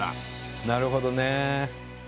なるほどね。